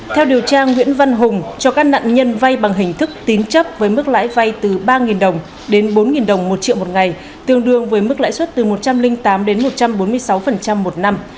theo điều tra nguyễn văn hùng cho các nạn nhân vay bằng hình thức tín chấp với mức lãi vay từ ba đồng đến bốn đồng một triệu một ngày tương đương với mức lãi suất từ một trăm linh tám đến một trăm bốn mươi sáu một năm